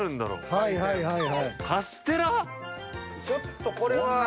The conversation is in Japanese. ちょっとこれは。